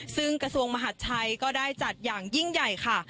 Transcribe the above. ซึ่งกระทรวงมหาดชัยก็ได้จัดอย่างยิ่งใหญ่ค่ะ